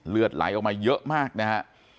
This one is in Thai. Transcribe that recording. เลือดไหลออกมาเยอะมากนะฮะ